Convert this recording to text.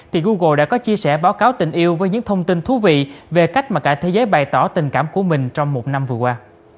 thì google đã có chia sẻ báo cáo tình yêu với những thông tin thú vị về cách mà cả thế giới bày tỏ tình cảm của mình trong một năm vừa qua